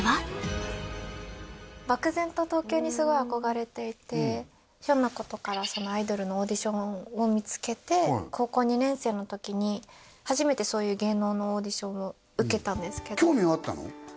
漠然と東京にすごい憧れていてひょんなことからアイドルのオーディションを見つけて高校２年生の時に初めてそういう芸能のオーディションを受けたんですけど興味はあったの？